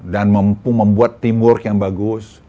dan mampu membuat teamwork yang bagus